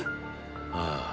⁉ああ